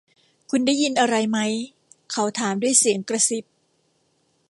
คุณได้ยินอะไรมั้ย เขาถามด้วยเสียงกระซิบ